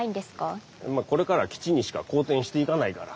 これから吉にしか好転していかないから。